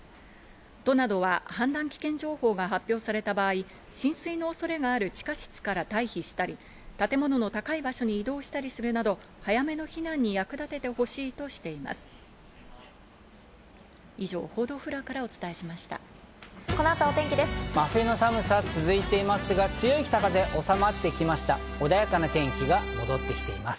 都などは、氾濫危険情報が発表された場合、浸水の恐れがある地下室から退避したり建物の高い場所に移動したりするなど、早めの避難に役立ててほしいとしています。